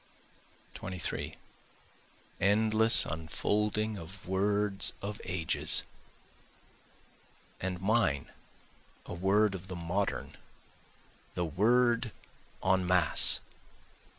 23 Endless unfolding of words of ages! And mine a word of the modern, the word En Masse.